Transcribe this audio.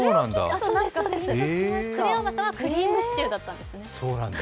クレアおばさんはクリームシチューだったんでね。